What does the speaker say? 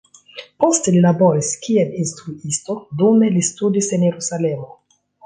Poste li laboris kiel instruisto, dume li studis en Jerusalemo.